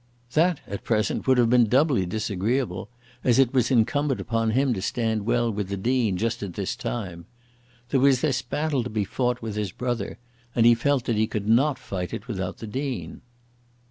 That at present would have been doubly disagreeable, as it was incumbent upon him to stand well with the Dean, just at this time. There was this battle to be fought with his brother, and he felt that he could not fight it without the Dean!